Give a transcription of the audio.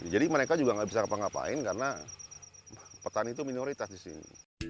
jadi mereka juga gak bisa ngapa ngapain karena petani itu minoritas di sini